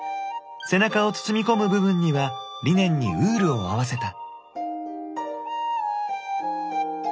背中を包み込む部分にはリネンにウールを合わせた。